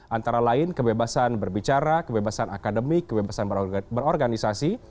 antara lain kebebasan berbicara kebebasan akademik kebebasan berorganisasi